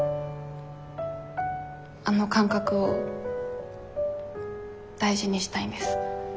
あの感覚を大事にしたいんです。